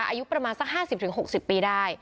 อายุประมาณสัก๕๐๖๐ปีได้